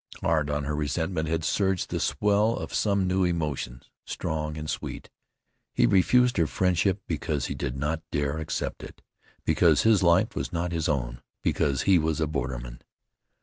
Hard on her resentment had surged the swell of some new emotion strong and sweet. He refused her friendship because he did not dare accept it; because his life was not his own; because he was a borderman.